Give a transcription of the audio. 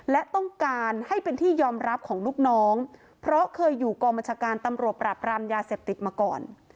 และต้องการให้เป็นที่ยอมรับของลูกน้องเพราะเคยอยู่กองบัญชาการตำรวจปราบรามยาเสพติดมาก่อน